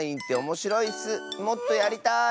もっとやりたい！